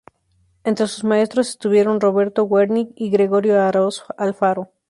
Entre sus maestros estuvieron Roberto Wernicke y Gregorio Aráoz Alfaro.